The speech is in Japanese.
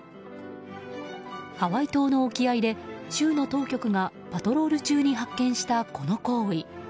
ハワイ島の沖合で、州の当局がパトロール中に発見したこの行為。